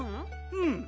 うん。